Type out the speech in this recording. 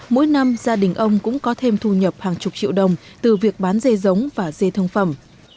mỗi năm gia đình ông cũng có thêm thu nhập hàng chục triệu đồng từ việc bán dê giống và dê thông phẩm